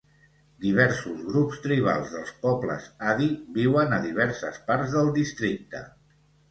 Diversos grups tribals dels pobles Adi viuen a diverses parts del districte.